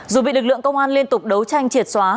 dù bị lực lượng công an liên tục đấu tranh triệt xóa